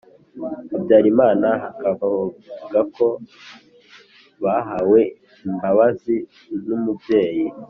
Habyarimana bakavuga ko bahawe imbabazi n umubyeyi